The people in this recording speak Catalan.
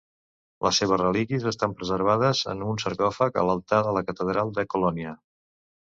Les seves relíquies estan preservades en un sarcòfag a l'altar de la catedral de Colònia.